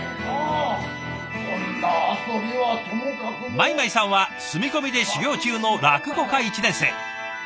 米舞さんは住み込みで修業中の落語家１年生。